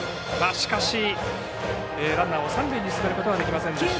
しかしランナーを三塁に進めることはできませんでした。